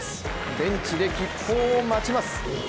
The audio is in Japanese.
ベンチで吉報を待ちます。